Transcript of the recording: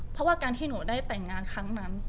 เพราะว่าการที่หนูได้แต่งงานครั้งนั้น